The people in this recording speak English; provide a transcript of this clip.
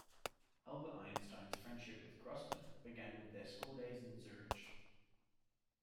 Albert Einstein's friendship with Grossmann began with their school days in Zurich.